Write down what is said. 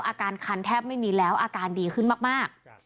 อาการคันแทบไม่มีแล้วอาการดีขึ้นมาก